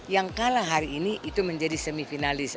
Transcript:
yang kalah hari ini itu menjadi semifinal